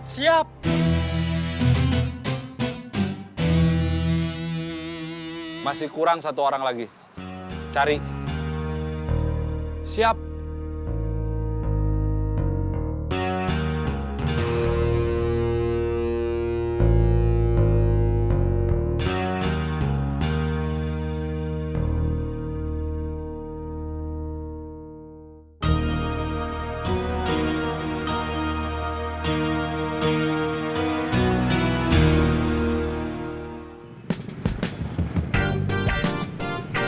kamu nggak siap